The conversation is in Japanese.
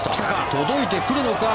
届いてくるのか？